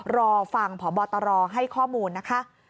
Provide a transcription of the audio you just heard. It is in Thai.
รอฟังพบตรให้ข้อมูลนะคะ